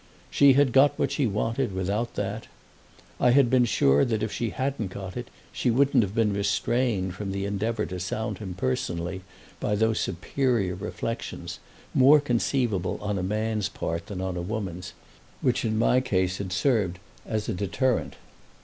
She had got what she wanted without that. I had been sure that if she hadn't got it she wouldn't have been restrained from the endeavour to sound him personally by those superior reflexions, more conceivable on a man's part than on a woman's, which in my case had served an a deterrent.